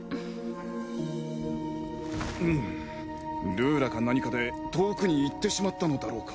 うむルーラか何かで遠くに行ってしまったのだろうか？